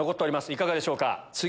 いかがでしょうか？